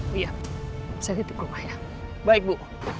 saya nanti ke rumah ya baik bu